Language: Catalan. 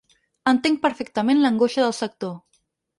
Entenc perfectament l’angoixa del sector.